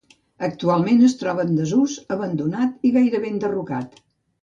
Actualment es troba en desús, abandonat i gairebé enderrocat.